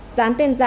gián tên giả bán